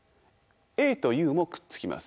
ＡとＵもくっつきます。